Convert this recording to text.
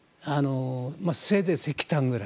せいぜい、石炭くらい。